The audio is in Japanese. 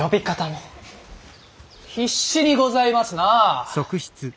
必死にございますな。